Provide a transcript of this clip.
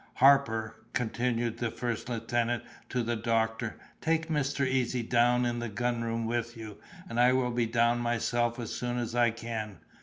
Harpur," continued the first lieutenant to the doctor, "take Mr. Easy down in the gun room with you, and I will be down myself as soon as I can.